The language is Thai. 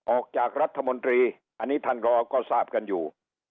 ออกจากรัฐมนตรีอันนี้ท่านรอก็ทราบกันอยู่